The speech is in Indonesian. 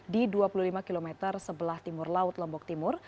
di dua puluh lima km sebelah timur laut lombok timur